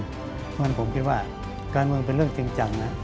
เพราะฉะนั้นผมคิดว่าการเมืองเป็นเรื่องจริงจังนะ